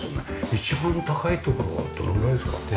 一番高い所はどのぐらいですか？